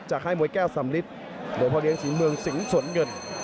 จะคล้ายมวยแก้วสำลิดโดยพ่อเลี้ยงศรีเมืองสิงสุนเงิน